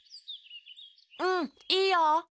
うんうんいいよ！